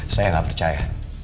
saya gak percaya